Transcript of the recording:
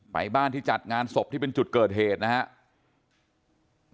บ้านที่จัดงานศพที่เป็นจุดเกิดเหตุนะครับ